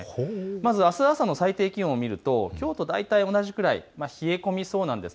あす朝の最低気温を見るときょうと大体同じぐらい冷え込みそうなんです